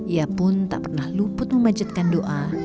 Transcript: ia pun tak pernah luput memanjatkan doa